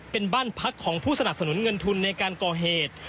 เป็นบ้านพักของผู้สนับสนุนเงินทุนในการก่อเหตุ